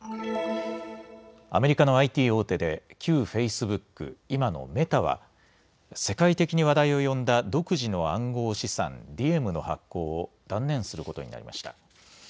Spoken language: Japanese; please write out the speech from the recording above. アメリカのＩＴ大手で旧フェイスブック、今のメタは世界的に話題を呼んだ独自の暗号資産、ディエムの発行を断念することになりました。